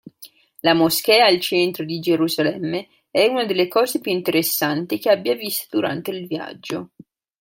La moschea al centro di Gerusalemme è una delle cose più interessanti che abbia visto durante il viaggio.